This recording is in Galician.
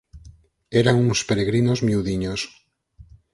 Eran uns peregrinos miudiños.